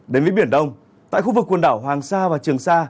đến với biển đông tại khu vực quần đảo hoàng sa và trường sa